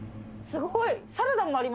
すごい！